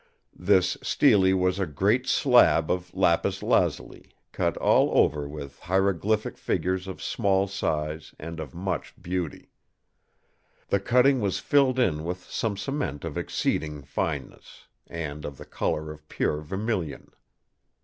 This Stele was a great slab of lapis lazuli, cut all over with hieroglyphic figures of small size and of much beauty. The cutting was filled in with some cement of exceeding fineness, and of the colour of pure vermilion.